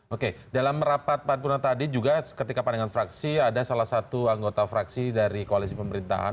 oke dalam rapat paripurna tadi juga ketika pandangan fraksi ada salah satu anggota fraksi dari koalisi pemerintahan